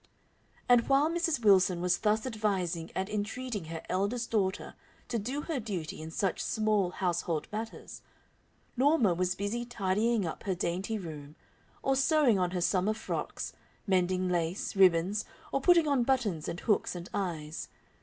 And while Mrs. Wilson was thus advising and entreating her eldest daughter to do her duty in such small household matters, Norma was busy tidying up her dainty room or sewing on her summer frocks, mending lace, ribbons, or putting on buttons and hooks and eyes.